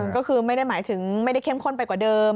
ก็คือไม่ได้หมายถึงไม่ได้เข้มข้นไปกว่าเดิม